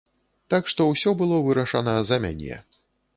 Так што ўсё было вырашана за мяне.